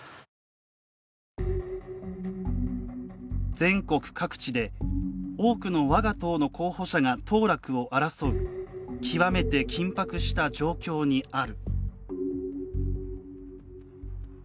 「全国各地で多くの我が党の候補者が当落を争う極めて緊迫した状況にある」。